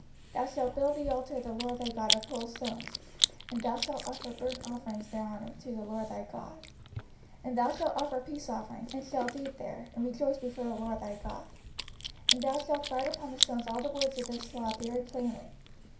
05:027:006 Thou shalt build the altar of the LORD thy God of whole stones: and thou shalt offer burnt offerings thereon unto the LORD thy God: 05:027:007 And thou shalt offer peace offerings, and shalt eat there, and rejoice before the LORD thy God. 05:027:008 And thou shalt write upon the stones all the words of this law very plainly.